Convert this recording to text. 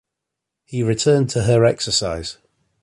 He returned to her exercise.